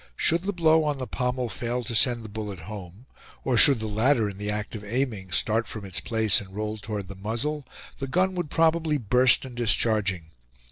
Should the blow on the pommel fail to send the bullet home, or should the latter, in the act of aiming, start from its place and roll toward the muzzle, the gun would probably burst in discharging.